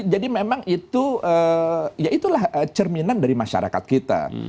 jadi memang itu ya itulah cerminan dari masyarakat kita